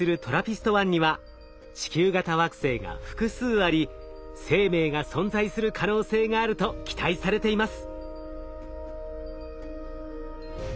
１には地球型惑星が複数あり生命が存在する可能性があると期待されています。